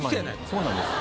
そうなんです。